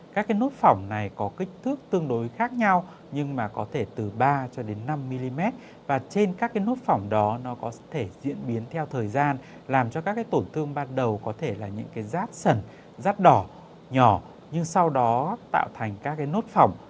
các nốt phỏng này có kích thước tương đối khác nhau nhưng mà có thể từ ba cho đến năm mm và trên các nốt phỏng đó nó có thể diễn biến theo thời gian làm cho các tổn thương ban đầu có thể là những rát sần rát đỏ nhỏ nhưng sau đó tạo thành các nốt phỏng